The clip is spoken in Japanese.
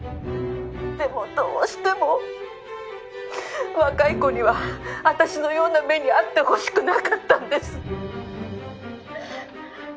どうしても若い子には私のような目に遭ってほしくなかったんです」